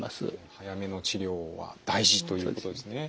早めの治療は大事ということですね。